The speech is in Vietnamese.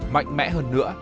mạnh mẽ hơn nữa